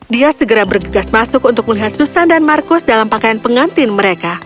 dia segera bergegas masuk untuk melihat susan dan marcus dalam pakaian pengantin mereka